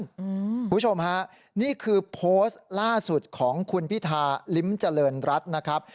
คุณผู้ชมฮะนี่คือโพสต์ล่าสุดของคุณพิธาลิ้มเจริญรัฐนะครับ